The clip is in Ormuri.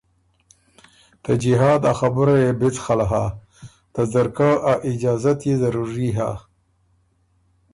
ته جهاد ا خبُره يې بڅخل هۀ ته ځرکۀ ا اجازت يې ضروری هۀ